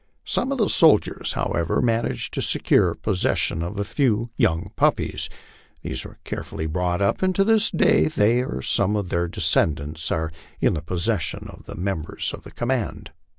Some of the soldiers, however, managed to secure possession of a few young puppies ; these were carefully brought up, and to this day they, or some of their descendants, are in the possession of members of the command.